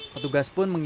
petugas pun mengimbangkan